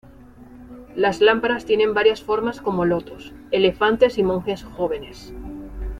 Las lámparas tienen varias formas como lotos, elefantes y monjes jóvenes.